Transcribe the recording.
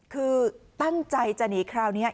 คือตั้งใจจะหนีคราวนี้